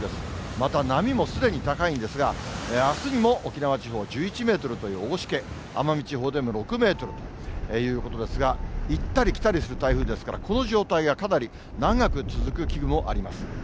また、波もすでに高いんですが、あすにも沖縄地方１１メートルという大しけ、奄美地方でも６メートルということですが、行ったり来たりする台風ですから、この状態がかなり長く続く危惧もあります。